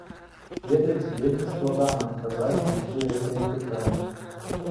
Ведаеце, вельмі складана адказаць на ўсе гэтыя пытанні.